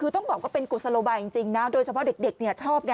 คือต้องบอกว่าเป็นกุศโลบายจริงนะโดยเฉพาะเด็กชอบไง